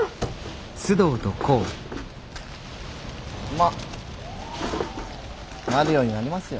まっなるようになりますよ。